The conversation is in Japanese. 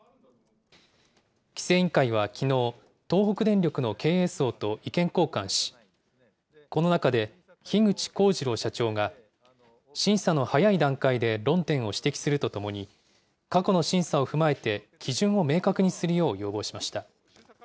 規制委員会はきのう、東北電力の経営層と意見交換し、この中で、樋口康二郎社長が、審査の早い段階で論点を指摘するとともに、過去の審査を踏まえて、基準を明確にするよう要望しました。